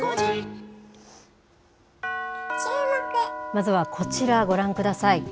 まずはこちら、ご覧ください。